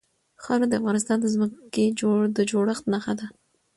خاوره د افغانستان د ځمکې د جوړښت نښه ده.